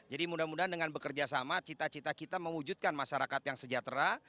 jadi mudah mudahan dengan bekerja sama cita cita kita mewujudkan masyarakat yang sejahtera